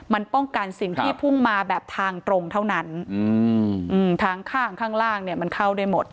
มันป้องกันสิ่งที่พุ่งมาแบบทางตรงเท่านั้นทางข้างข้างล่างเนี่ยมันเข้าได้หมด